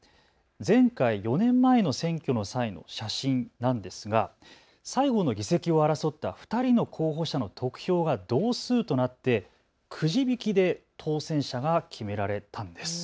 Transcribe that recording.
前回４年前の選挙の際の写真なんですが最後の議席を争った２人の候補者の得票が同数となって、くじ引きで当選者が決められたんです。